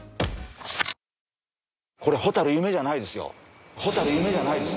これ、ホタル夢じゃないですよ。